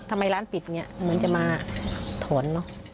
ทำไมร้านปิดอย่างนี้เหมือนจะมาถอนเนอะ